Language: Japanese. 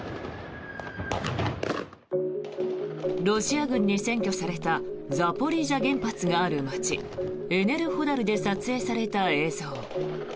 ロシア軍に占拠されたザポリージャ原発がある街エネルホダルで撮影された映像。